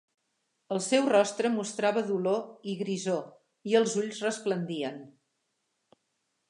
El seu rostre mostrava dolor i grisor i els ulls resplendien.